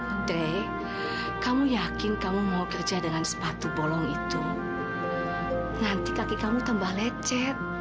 andre kamu yakin kamu mau kerja dengan sepatu bolong itu nanti kaki kamu tambah lecet